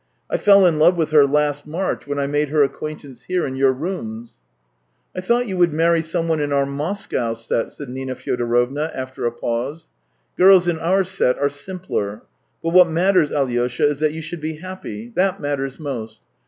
... I fell in love with her last March when I made her acquaintance here, in your rooms." THREE YEARS 211 " I thought you would marry someone in our Moscow set," said Nina Fyodorovna after a pause. " Girls in our set are simpler. But what matters, Alyosha, is that you should be happy — that matters most.